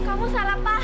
kamu salah paham